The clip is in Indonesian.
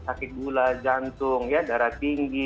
sakit gula jantung darah tinggi